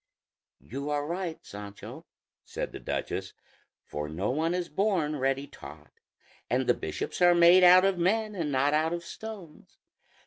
"You are right, Sancho," said the duchess; "for no one is born ready taught, and the bishops are made out of men and not out of stones.